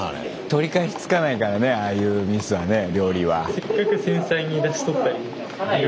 取り返しつかないからねああいうミスはね料理は。